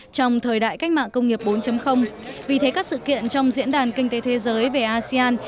trong thời đại cách mạng công nghiệp bốn vì thế các sự kiện trong diễn đàn kinh tế thế giới về asean